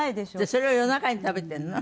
それを夜中に食べてるの？